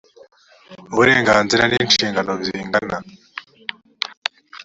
uburenganzira n inshingano bingana